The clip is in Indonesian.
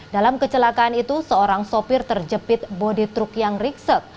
dalam kecelakaan itu seorang sopir terjepit bodi truk yang rikset